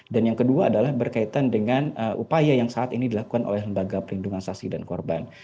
dan yang kedua adalah berkaitan dengan upaya yang saat ini dilakukan oleh lembaga perlindungan saksi dan korban